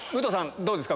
どうですか？